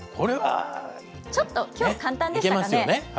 ちょっと、きょう簡単でしたいけますよね。